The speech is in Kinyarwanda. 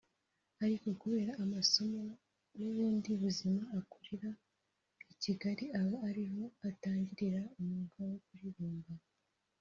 ariko kubera amasomo n’ubundi buzima akurira i Kigali ; aba ariho atangirira umwuga wo kuririmba